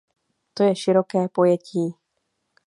To je široké pojetí.